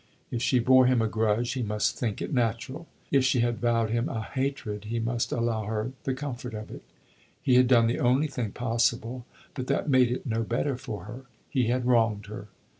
If she bore him a grudge he must think it natural; if she had vowed him a hatred he must allow her the comfort of it. He had done the only thing possible, but that made it no better for her. He had wronged her.